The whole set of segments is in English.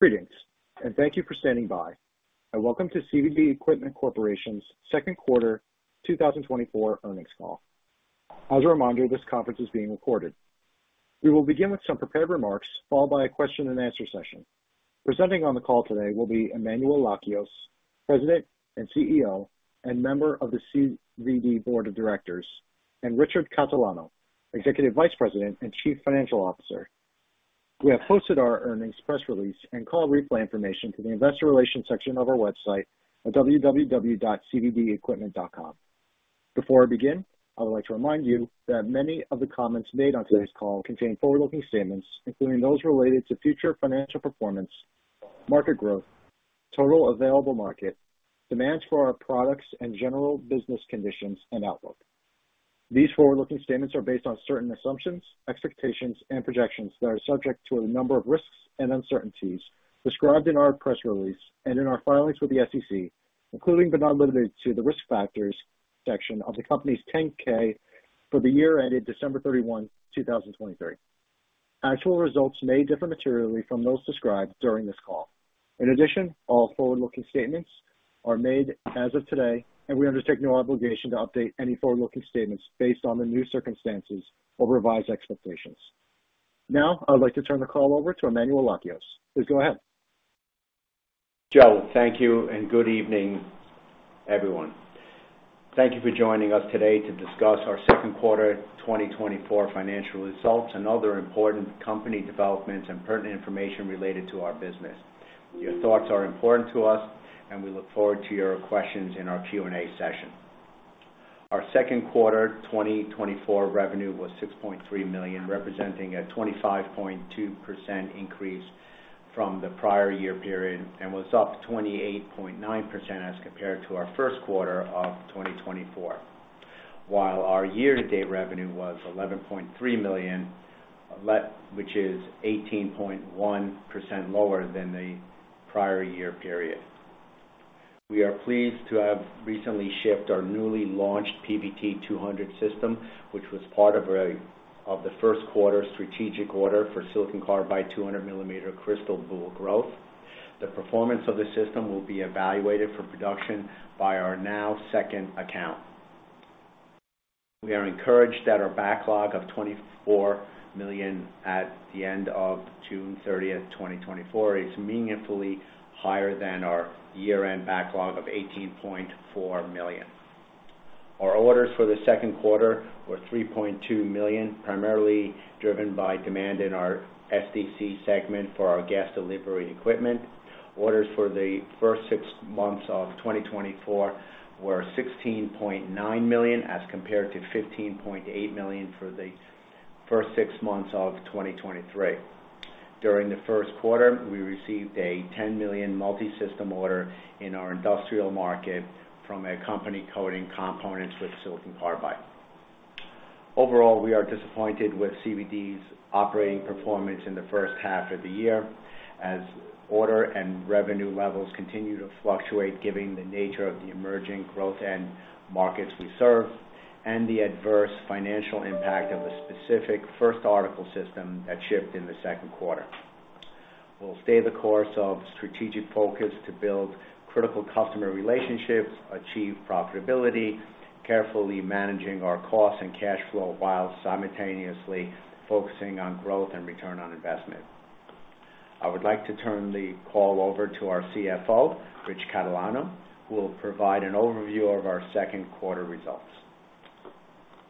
Greetings, and thank you for standing by, and welcome to CVD Equipment Corporation's Q2 2024 earnings call. As a reminder, this conference is being recorded. We will begin with some prepared remarks, followed by a question-and-answer session. Presenting on the call today will be Emmanuel Lakios, President and CEO, and member of the CVD Board of Directors, and Richard Catalano, Executive Vice President and Chief Financial Officer. We have posted our earnings press release and call replay information to the investor relations section of our website at www.cvdequipment.com. Before I begin, I would like to remind you that many of the comments made on today's call contain forward-looking statements, including those related to future financial performance, market growth, total available market, demand for our products and general business conditions and outlook. These forward-looking statements are based on certain assumptions, expectations, and projections that are subject to a number of risks and uncertainties described in our press release and in our filings with the SEC, including, but not limited to, the Risk Factors section of the company's 10-K for the year ended December 31, 2023. Actual results may differ materially from those described during this call. In addition, all forward-looking statements are made as of today and we undertake no obligation to update any forward-looking statements based on the new circumstances or revised expectations. Now, I would like to turn the call over to Emmanuel Lakios. Please go ahead. Joe, thank you, and good evening, everyone. Thank you for joining us today to discuss our Q2 2024 financial results and other important company developments and pertinent information related to our business. Your thoughts are important to us, and we look forward to your questions in our Q&A session. Our Q2 2024 revenue was $6.3 million, representing a 25.2% increase from the prior year period, and was up 28.9% as compared to our Q1 of 2024. While our year-to-date revenue was $11.3 million, which is 18.1% lower than the prior year period. We are pleased to have recently shipped our newly launched PVT-200 system, which was part of the Q1 strategic order for silicon carbide, 200 mm crystal boule growth. The performance of the system will be evaluated for production by our now second account. We are encouraged that our backlog of $24 million at the end of June 30, 2024, is meaningfully higher than our year-end backlog of $18.4 million. Our orders for the Q2 were $3.2 million, primarily driven by demand in our SDC segment for our gas delivery equipment. Orders for the first six months of 2024 were $16.9 million, as compared to $15.8 million for the first six months of 2023. During the Q1, we received a $10 million multi-system order in our industrial market from a company coding components with silicon carbide. Overall, we are disappointed with CVD's operating performance in the first half of the year, as order and revenue levels continue to fluctuate given the nature of the emerging growth and markets we serve, and the adverse financial impact of a specific first article system that shipped in the Q2. We'll stay the course of strategic focus to build critical customer relationships, achieve profitability, carefully managing our costs and cash flow, while simultaneously focusing on growth and return on investment. I would like to turn the call over to our CFO, Rich Catalano, who will provide an overview of our Q2 results.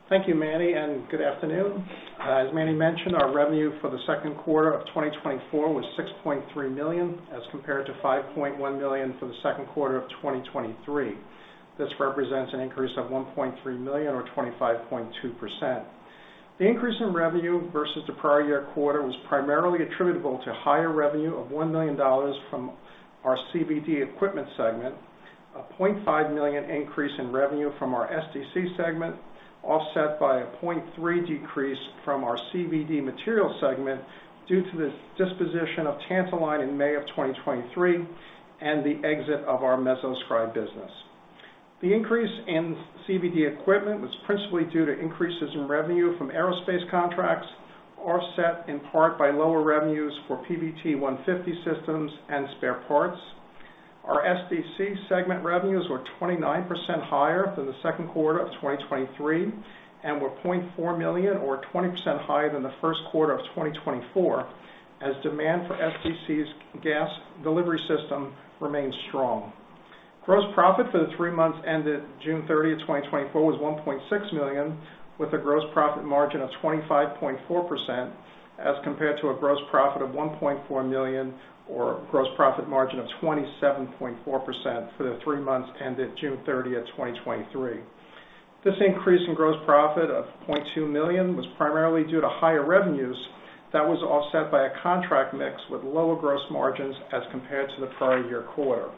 Thank you Emmanuel, and good afternoon. As Emmanuel mentioned, our revenue for the Q2 of 2024 was $6.3 million, as compared to $5.1 million for the Q2 of 2023. This represents an increase of $1.3 million or 25.2%. The increase in revenue versus the prior year quarter was primarily attributable to higher revenue of $1 million from our CVD Equipment segment, a $0.5 million increase in revenue from our SDC segment, offset by a $0.3 million decrease from our CVD Materials segment due to the disposition of Tantaline in May of 2023, and the exit of our MesoScribe business. The increase in CVD Equipment was principally due to increases in revenue from aerospace contracts, offset in part by lower revenues for PVT-150 systems and spare parts. Our SDC segment revenues were 29% higher than the Q2 of 2023 and were $0.4 million, or 20% higher than the Q1 of 2024, as demand for SDC's gas delivery system remains strong. Gross profit for the three months ended June 30, 2024, was $1.6 million, with a gross profit margin of 25.4%, as compared to a gross profit of $1.4 million or gross profit margin of 27.4% for the three months ended June 30, 2023. This increase in gross profit of $0.2 million was primarily due to higher revenues that was offset by a contract mix with lower gross margins as compared to the prior year quarter.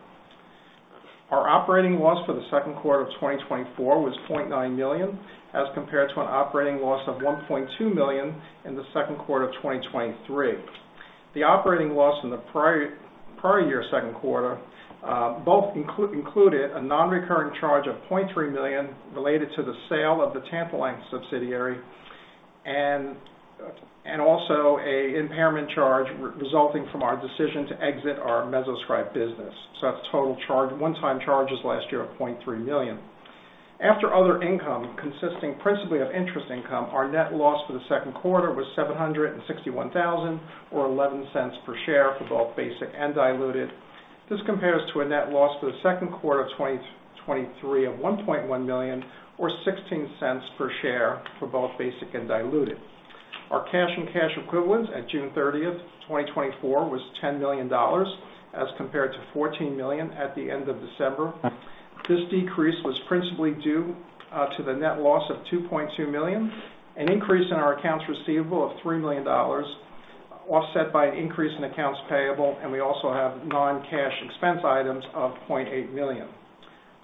Our operating loss for the Q2 of 2024 was $0.9 million, as compared to an operating loss of $1.2 million in the Q2 of 2023. The operating loss in the prior, prior year Q2 both included a non-recurring charge of $0.3 million related to the sale of the Tantaline subsidiary and also an impairment charge resulting from our decision to exit our MesoScribe business. That's total charge, one-time charges last year of $0.3 million. After other income, consisting principally of interest income, our net loss for the Q2 was $761,000 or $0.11 per share for both basic and diluted. This compares to a net loss for the Q2 of 2023 of $1.1 million or $0.16 per share for both basic and diluted. Our cash and cash equivalents at June 30, 2024, was $10 million, as compared to $14 million at the end of December. This decrease was principally due to the net loss of $2.2 million, an increase in our accounts receivable of $3 million, offset by an increase in accounts payable, and we also have non-cash expense items of $0.8 million.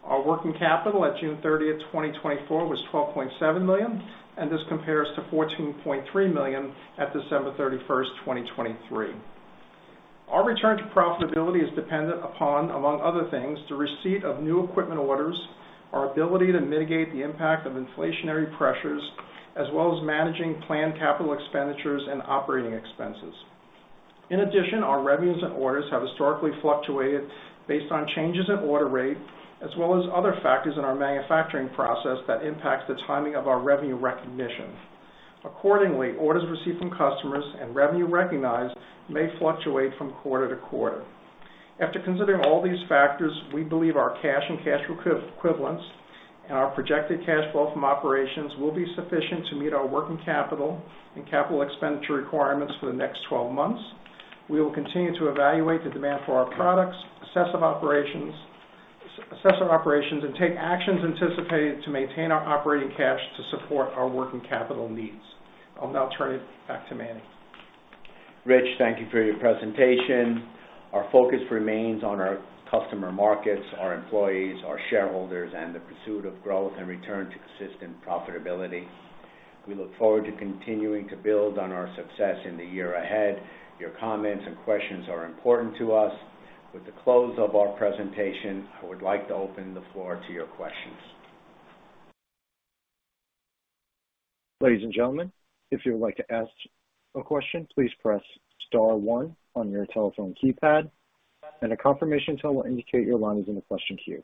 Our working capital at June 30, 2024, was $12.7 million, and this compares to $14.3 million at December 31, 2023. Our return to profitability is dependent upon, among other things, the receipt of new equipment orders, our ability to mitigate the impact of inflationary pressures, as well as managing planned capital expenditures and operating expenses. In addition, our revenues and orders have historically fluctuated based on changes in order rate, as well as other factors in our manufacturing process that impacts the timing of our revenue recognition. Accordingly, orders received from customers and revenue recognized may fluctuate from quarter to quarter. After considering all these factors, we believe our cash and cash equivalents, and our projected cash flow from operations will be sufficient to meet our working capital and capital expenditure requirements for the next 12 months. We will continue to evaluate the demand for our products, assess our operations, and take actions anticipated to maintain our operating cash to support our working capital needs. I'll now turn it back to Emmanuel. Rich, thank you for your presentation. Our focus remains on our customer markets, our employees, our shareholders, and the pursuit of growth and return to consistent profitability. We look forward to continuing to build on our success in the year ahead. Your comments and questions are important to us. With the close of our presentation, I would like to open the floor to your questions. Ladies and gentlemen, if you would like to ask a question, please press star one on your telephone keypad, and a confirmation tone will indicate your line is in the question queue.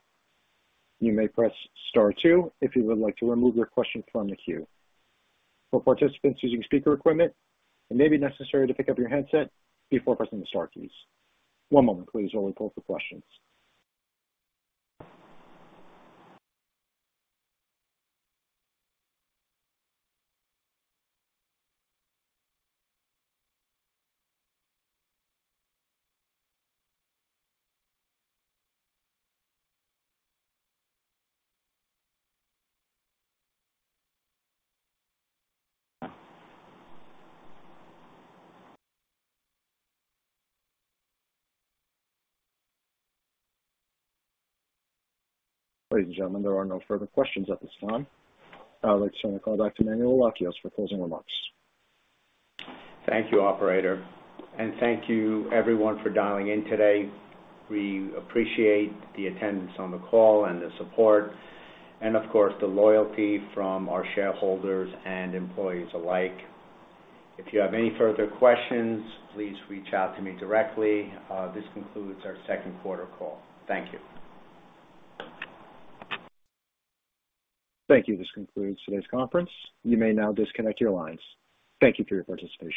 You may press star two if you would like to remove your question from the queue. For participants using speaker equipment, it may be necessary to pick up your handset before pressing the star keys. One moment, please, while we pull for questions. Ladies and gentlemen, there are no further questions at this time. I would like to turn the call back to Emmanuel Lakios for closing remarks. Thank you, operator and thank you everyone for dialing in today. We appreciate the attendance on the call and the support, and of course, the loyalty from our shareholders and employees alike. If you have any further questions, please reach out to me directly. This concludes our Q2 call. Thank you. Thank you. This concludes today's conference. You may now disconnect your lines. Thank you for your participation.